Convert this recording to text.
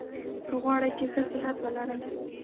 که غواړی چي ښه صحت ولرئ؟